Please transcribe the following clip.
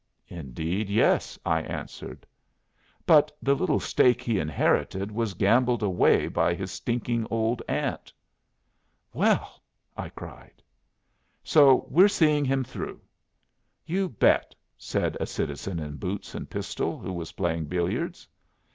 "Indeed yes," I answered. "But the little stake he inherited was gambled away by his stinking old aunt." "Well!" I cried. "So we're seeing him through." "You bet," said a citizen in boots and pistol, who was playing billiards.